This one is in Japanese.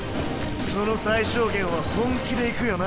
その最小限は本気でいくよな？